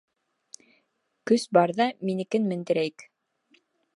Көс барҙа минекен мендерәйек.